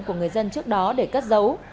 của người dân trước đó để cất giấu